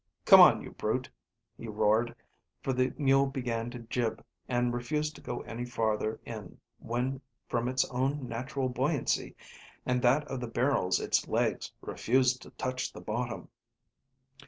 Come on, you brute!" he roared, for the mule began to jib and refused to go any farther in when from its own natural buoyancy and that of the barrels its legs refused to touch the bottom.